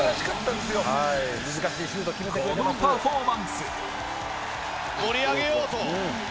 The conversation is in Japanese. このパフォーマンス！